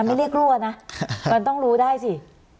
มันต้องรู้ได้สิ